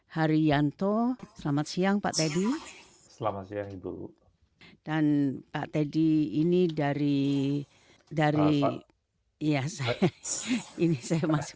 haryanto selamat siang pak teddy selamat siang ibu dan pak teddy ini dari dari iya saya ini saya masih